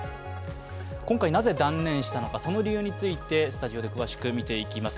今回なぜ断念したのかその理由についてスタジオで詳しく見ていきます。